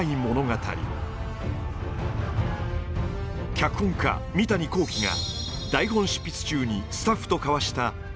脚本家三谷幸喜が台本執筆中にスタッフと交わした無数のメール。